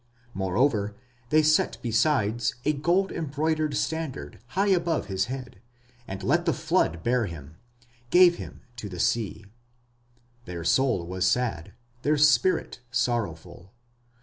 Moreover, they set besides a gold embroidered standard high above his head, and let the flood bear him gave him to the sea. Their soul was sad, their spirit sorrowful.